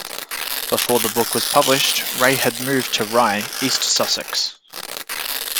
Before the book was published Ray had moved to Rye, East Sussex.